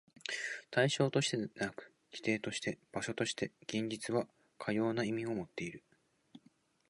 対象としてでなく、基底として、場所として、現実はかような意味をもっている。